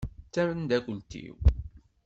D tamdakelt-iw.